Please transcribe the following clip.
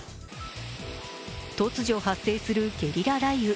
突如発生するゲリラ雷雨。